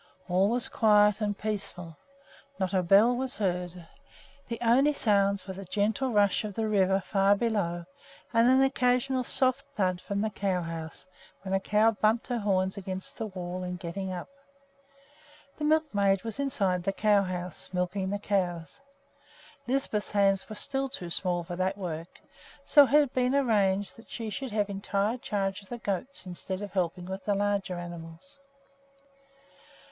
All was quiet and peaceful. Not a bell was heard. The only sounds were the gentle rush of the river far below and an occasional soft thud from the cow house when a cow bumped her horns against the wall in getting up. The milkmaid was inside the cow house, milking the cows. Lisbeth's hands were still too small for that work, so it had been arranged that she should have entire charge of the goats instead of helping with the larger animals.